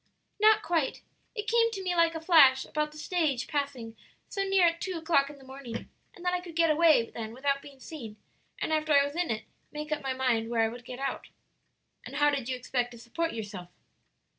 "Not quite. It came to me like a flash about the stage passing so near at two o'clock in the morning, and that I could get away then without being seen, and after I was in it make up my mind where I would get out." "And how did you expect to support yourself?"